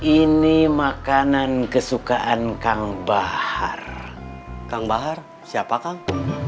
ini makanan kesukaan kang bahar kang bahar siapa kang